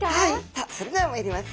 さあそれではまいります。